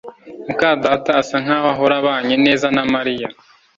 muka data asa nkaho ahora abanye neza na Mariya